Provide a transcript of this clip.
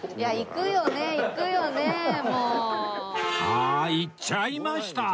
あ行っちゃいました！